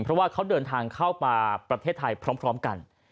เพราะว่าเขาเดินทางเข้ามาประเทศไทยพร้อมกัน